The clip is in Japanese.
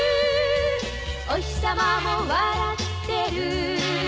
「おひさまも笑ってる」